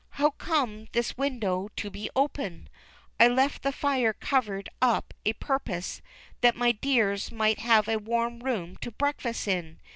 " How comes this window to be open ? I left the fire covered up a purpose that my dears might have a warm room to breakfast in.